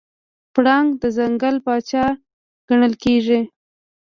پړانګ د ځنګل پاچا ګڼل کېږي.